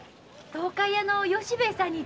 東海屋の吉兵衛さんに。